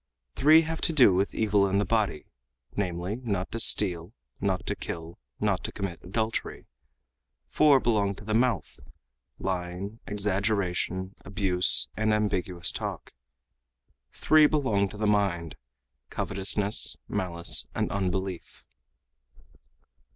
Three have to do with evil in the body, namely, not to steal, not to kill, not to commit adultery; four belong to the mouth, lying, exaggeration, abuse, and ambiguous talk; three belong to the mind, covetousness, malice, and unbelief."